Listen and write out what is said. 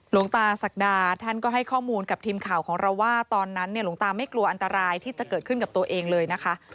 หลวงตาศักดาท่านก็ให้ข้อมูลกับทีมข่าวของเราว่าตอนนั้นเนี่ยหลวงตาไม่กลัวอันตรายที่จะเกิดขึ้นกับตัวเองเลยนะคะ